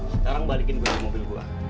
sekarang balikin ke mobil saya